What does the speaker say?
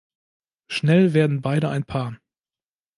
Schnell werden beide ein Paar.